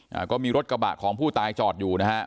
อ่าก็มีรถกระบะของผู้ตายจอดอยู่นะฮะ